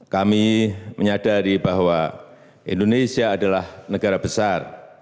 kami menyadari bahwa indonesia adalah negara besar